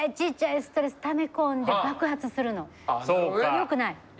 よくない。